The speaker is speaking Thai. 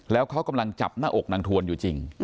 แล้วเขากำลังจับหน้าอกนางทวนอยู่จริง